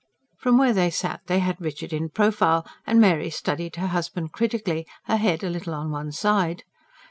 From where they sat they had Richard in profile, and Mary studied her husband critically, her head a little on one side.